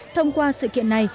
thông qua sự kiện này